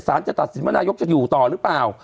จะตัดสินว่านายกจะอยู่ต่อหรือเปล่า